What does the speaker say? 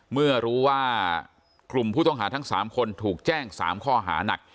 เมื่อรู้ว่ากลุ่มผู้ต้องหาทั้ง๓คนถูกแจ้ง๓ข้อหานัก